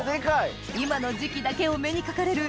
今の時期だけお目にかかれる